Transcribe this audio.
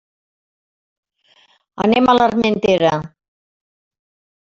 Anem a l'Armentera.